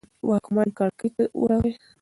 واکمن کړکۍ ته ورغی.